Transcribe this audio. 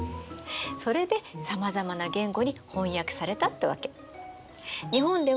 それでさまざまな言語に翻訳されたってわけ。